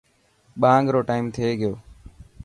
ٻانگ رو ٽائيم ٿي گيو.